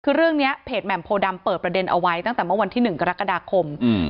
คือเรื่องนี้เพจแหม่มโพดำเปิดประเด็นเอาไว้ตั้งแต่เมื่อวันที่๑กรกฎาคม